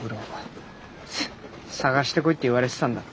探してこいって言われてたんだった。